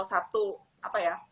satu apa ya